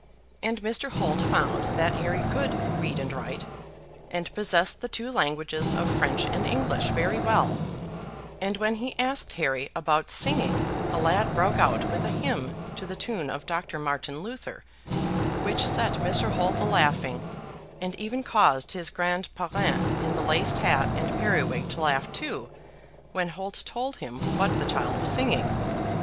And Mr. Holt found that Harry could read and write, and possessed the two languages of French and English very well; and when he asked Harry about singing, the lad broke out with a hymn to the tune of Dr. Martin Luther, which set Mr. Holt a laughing; and even caused his grand parrain in the laced hat and periwig to laugh too when Holt told him what the child was singing.